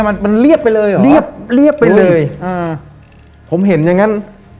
มันมันเรียบไปเลยเหรอเรียบเรียบไปเลยอ่าผมเห็นอย่างงั้น